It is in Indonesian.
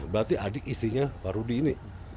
berarti adik istrinya pak rudi ini